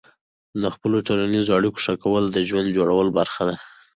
د خپلو ټولنیزو اړیکو ښه کول د ژوند جوړولو برخه ده.